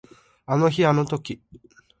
あの日あの時